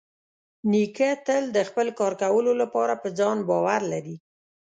نیکه تل د خپل کار کولو لپاره په ځان باور لري.